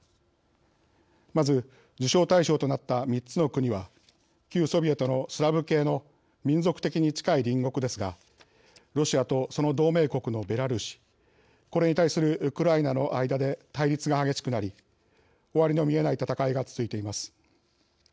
まず受賞対象となった３つの国は旧ソビエトのスラブ系の民族的に近い隣国ですがロシアとその同盟国のベラルーシこれに対するウクライナの間で対立が激しくなり終わりの見えない戦いが続いています。